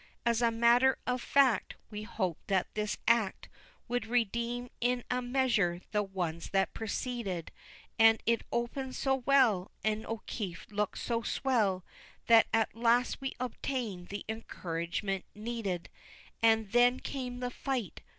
As a matter of fact We hoped that this act Would redeem in a measure the ones that preceded, And it opened so well, And O'Keefe looked so swell, That at last we obtained the encouragement needed. And then came the fight.